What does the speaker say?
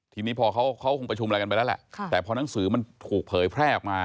ทีนี้พอเขาคงประชุมอะไรกันไปแล้วแหละแต่พอหนังสือมันถูกเผยแพร่ออกมา